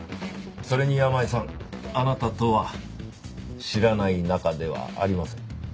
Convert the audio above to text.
それに山家さんあなたとは知らない仲ではありません。